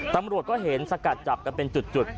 ตำรวจก็เห็นสกัดจับกันเป็นจุด